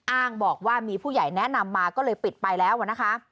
อ้างบอกว่ามีผู้ใหญ่แนะนำมาก็เลยปิดไปแล้วนะคะ